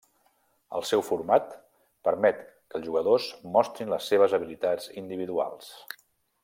El seu format permet que els jugadors mostrin les seves habilitats individuals.